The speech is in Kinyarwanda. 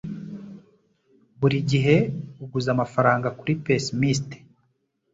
Buri gihe uguza amafaranga kuri pessimist.